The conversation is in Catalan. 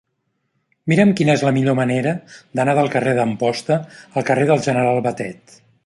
Mira'm quina és la millor manera d'anar del carrer d'Amposta al carrer del General Batet.